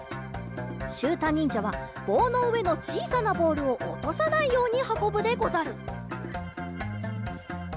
しゅうたにんじゃはぼうのうえのちいさなボールをおとさないようにはこぶでござる。